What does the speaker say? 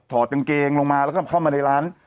กางเกงลงมาแล้วก็เข้ามาในร้าน